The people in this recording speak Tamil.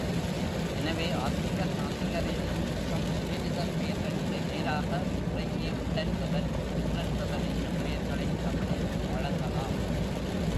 எனவே, ஆத்திகர், நாத்திகர் என்னும் சம்சுகிருதப் பெயர்கட்கு நேராக முறையே உண்டென்பவர், இன்றென்பவர் என்னும் பெயர்களைத் தமிழில் வழங்கலாம்.